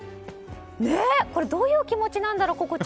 これ、どういう気持ちなんだろう。